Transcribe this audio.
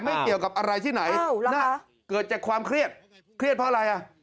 เกี่ยวกับอะไรที่ไหนเกิดจากความเครียดเครียดเพราะอะไรอ่ะ